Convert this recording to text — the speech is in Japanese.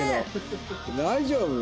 大丈夫？